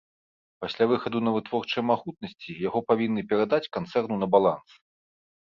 Пасля выхаду на вытворчыя магутнасці яго павінны перадаць канцэрну на баланс.